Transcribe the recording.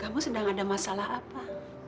kamu sedang ada masalah apa